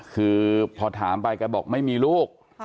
คือพอถามไปแกบอกไม่มีลูก